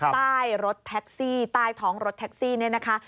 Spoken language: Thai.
ใต้รถแท็กซี่ใต้ท้องรถแท็กซี่เนี่ยนะคะ